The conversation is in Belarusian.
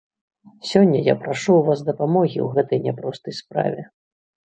Сёння я прашу ў вас дапамогі ў гэтай няпростай справе.